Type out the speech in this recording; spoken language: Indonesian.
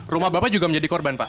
rumah bapak juga menjadi korban pak